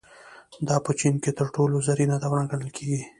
دا په چین کې تر ټولو زرینه دوره ګڼل کېږي.